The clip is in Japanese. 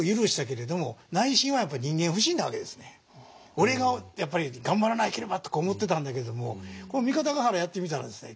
俺がやっぱり頑張らなければと思ってたんだけれども三方ヶ原やってみたらですね